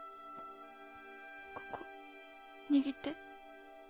ここ握って。